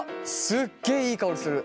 すっげえいい香りする！